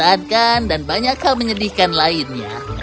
menyehatkan dan banyak hal menyedihkan lainnya